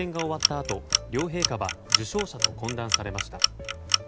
あと両陛下は受賞者と懇談されました。